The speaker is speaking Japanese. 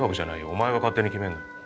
お前が勝手に決めるな。